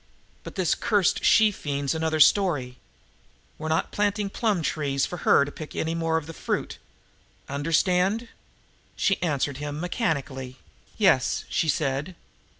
But this cursed she fiend's another story. We're not planting plum trees for her to pick any more of the fruit. Understand?" She answered him mechanically. "Yes," she said.